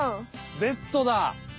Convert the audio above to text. ベッドだね。